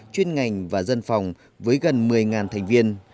chuyên ngành và dân phòng với gần một mươi thành viên